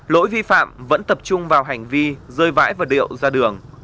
lỗi vi phạm vẫn tập trung vào hành vi rơi vãi vật điệu ra đường